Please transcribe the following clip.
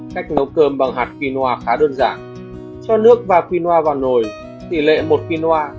cách nấu cơm bằng hạt quinoa khá đơn giản cho nước và quinoa vào nồi tỷ lệ một quinoa